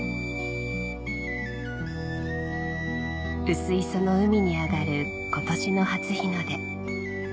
薄磯の海に上がる今年の初日の出